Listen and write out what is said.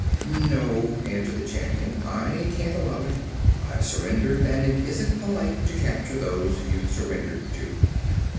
"No," answered the Champion, "I can't allow it. I've surrendered, and it isn't polite to capture those you've surrendered to."